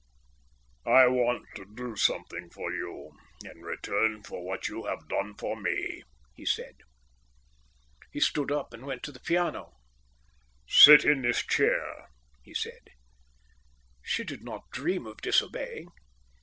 "I want to do something for you in return for what you have done for me," he said. He stood up and went to the piano. "Sit in this chair," he said. She did not dream of disobeying.